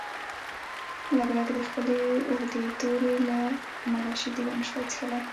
لګلګ د خپلې اوږدې تورې له امله شیدې ونشوای څښلی.